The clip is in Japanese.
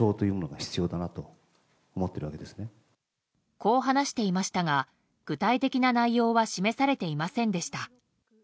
こう話していましたが具体的な内容は示されていませんでした。